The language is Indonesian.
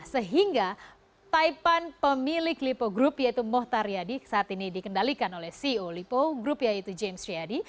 sehingga taipan pemilik lipo group yaitu mohtar yadi saat ini dikendalikan oleh ceo lipo group yaitu james riyadi